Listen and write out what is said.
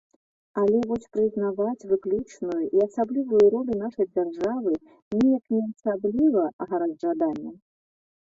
Але вось прызнаваць выключную і асаблівую ролю нашай дзяржавы неяк не асабліва гараць жаданнем.